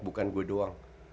bukan gue doang